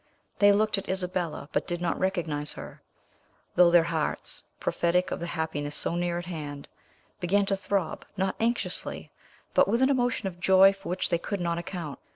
They looked at Isabella, but did not recognise her, though their hearts, prophetic of the happiness so near at hand, began to throb, not anxiously, but with an emotion of joy for which they could not account.